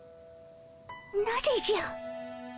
なぜじゃ。